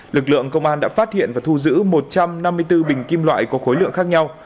lực lượng công an đã phát hiện và thu giữ một trăm năm mươi bốn bình kim loại có khối lượng khác nhau